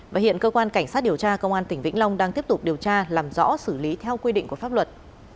và hiện cơ quan cảnh sát điều tra công an tỉnh vĩnh long đang tiếp tục điều tra làm rõ xử lý theo quy định của pháp luật